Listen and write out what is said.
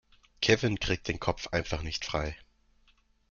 Kevin kriegt den Kopf einfach nicht frei.